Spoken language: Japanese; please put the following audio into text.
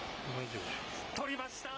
捕りました。